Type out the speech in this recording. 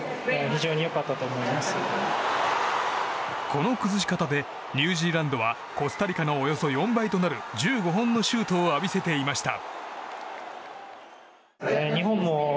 この崩し方でニュージーランドはコスタリカのおよそ４倍となる１５本のシュートを浴びせていました。